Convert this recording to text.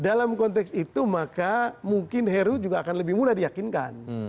dalam konteks itu maka mungkin heru juga akan lebih mudah diyakinkan